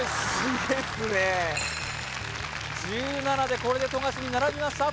１７でこれで富樫に並びました